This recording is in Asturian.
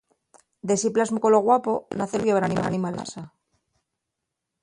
D'esi plasmu colo guapo naz el rixu llevar animales pa casa.